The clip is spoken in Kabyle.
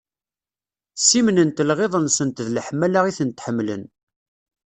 Ssimnent lɣiḍ-nsent d leḥmala i tent-ḥemmlen.